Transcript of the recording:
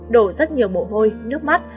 đổ rất nhiều bộ hôi nước mắt